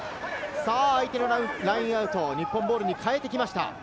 相手のラインアウト、日本ボールに代えてきました。